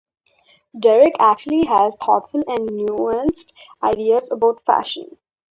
Derek actually has thoughtful and nuanced ideas about fashion.